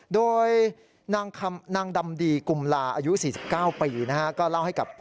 โดยนางดำดีกุมลาอายุ๔๙ปี